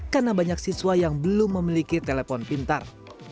karena banyak siswa yang belum memiliki telepon pintar